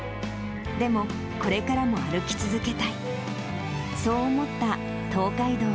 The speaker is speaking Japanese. でも、これからも歩き続けたい。